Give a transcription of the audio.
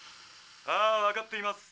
「ああわかっています。